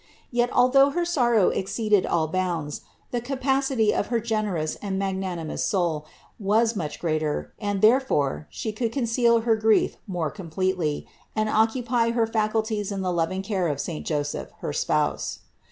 Yet, although her sorrow exceeded all bounds, the capacity of her generous and magnanimous soul was much greater and therefore She could conceal her grief more com pletely, and occupy her faculties in the loving care of saint Joseph, her spouse.